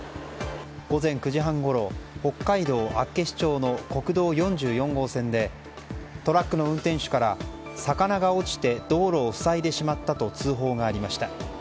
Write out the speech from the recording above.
午前９時半ごろ北海道厚岸町の国道４４号線でトラックの運転手から魚が落ちて道路を塞いでしまったと通報がありました。